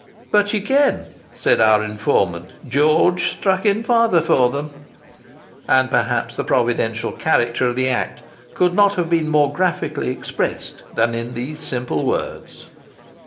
"But ye ken," said our informant, "George struck in fayther for them." And perhaps the providential character of the act could not have been more graphically expressed than in these simple words.